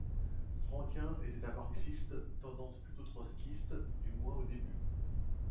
Frankin était un marxiste, tendance plutôt trotskiste, du moins au début.